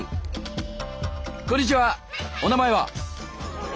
お名前は？